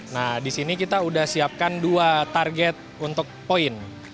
nah disini kita sudah siapkan dua target untuk poin